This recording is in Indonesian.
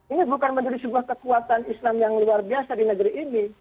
ini bukan menjadi sebuah kekuatan islam yang luar biasa di negeri ini